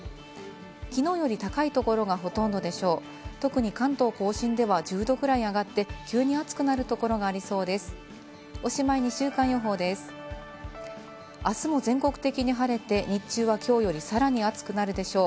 昨日より高いところがほとんどでしょう。